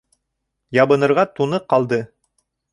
Ябынырға туны ҡалды.